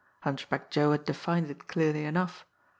Hunchback Joe had defined it clearly enough.